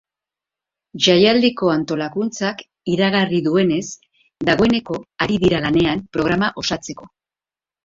Jaialdiko antolakuntzak iragarri duenez, dagoeneko ari dira lanean programa osatzeko.